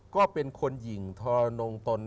ก็เป็นคนหญิงทรนงตน